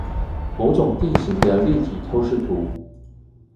某種地形的立體透視圖